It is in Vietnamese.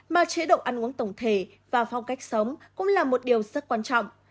mà chế độ ăn uống tổng thể và phong cách sống cũng là một điều rất quan trọng